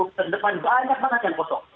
ke depan banyak banget yang kosong